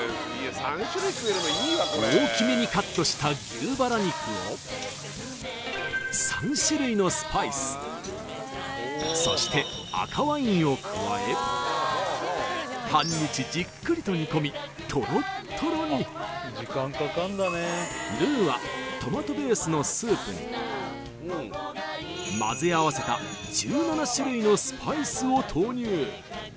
大きめにカットした牛バラ肉を３種類のスパイスそして赤ワインを加え半日じっくりと煮込みトロットロにルーはトマトベースのスープに混ぜ合わせた１７種類のスパイスを投入